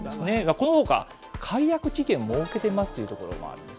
このほか、解約期限を設けてますというところもあります。